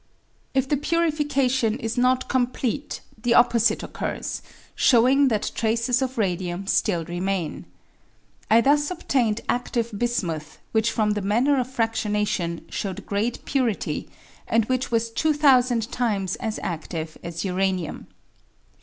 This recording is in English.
If the purification is not complete the opposite occurs, showing that traces of radium still remain. I thus obtamed adive bismuth which from the manner of fradionation showed great purity and which was 2000 times as adive as uranium.